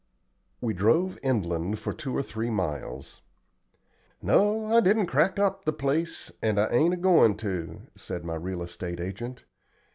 We drove inland for two or three miles. "No, I didn't crack up the place, and I ain't a goin' to," said my real estate agent.